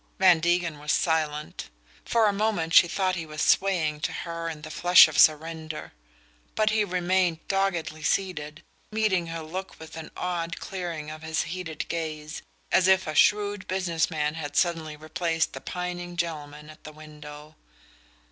Van Degen was silent for a moment she thought he was swaying to her in the flush of surrender. But he remained doggedly seated, meeting her look with an odd clearing of his heated gaze, as if a shrewd businessman had suddenly replaced the pining gentleman at the window.